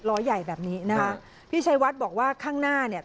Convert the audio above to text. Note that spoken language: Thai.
ล้อใหญ่แบบนี้นะคะพี่ชัยวัดบอกว่าข้างหน้าเนี่ย